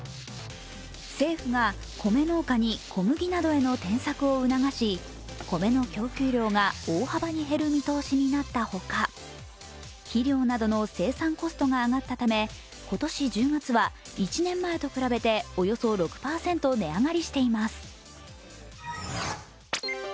政府が米農家に小麦などへの転作を促し米の供給量が大幅に減る見通しになったほか、肥料などの生産コストが上がったため今年１０月は１年前と比べておよそ６％値上がりしています。